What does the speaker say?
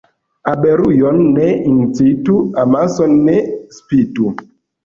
Abelujon ne incitu, amason ne spitu.